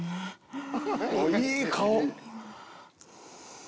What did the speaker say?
いい顔。